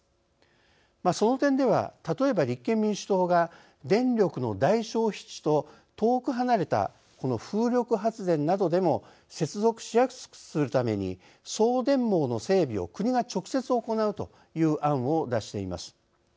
その点では例えば立憲民主党が電力の大消費地と遠く離れたこの風力発電などでも接続しやすくするために送電網の整備を国が直接行うという案を出しています。